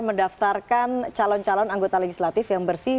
mendaftarkan calon calon anggota legislatif yang bersih